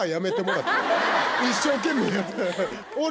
一生懸命やってるから。